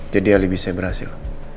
jadi alibi saya berhasil